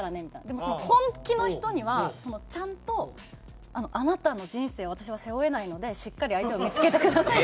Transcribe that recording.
でも本気の人にはちゃんと「あなたの人生を私は背負えないのでしっかり相手を見付けてください」。